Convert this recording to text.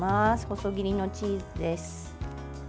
細切りのチーズです。